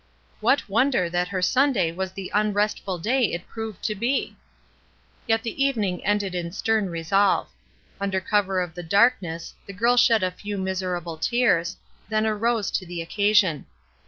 What wonder that her Sunday was the un restful day it proved to be ! Yet the evening ended in stern resolve. Under cover of the darkness the girl shed a few miserable tears, then arose to the occasion.